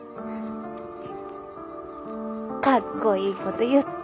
カッコイイこと言って。